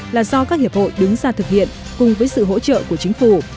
là do các hiệp hội đứng ra thực hiện cùng với sự hỗ trợ của chính phủ